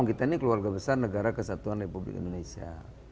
kita ini keluarga besar negara kesatuan republik indonesia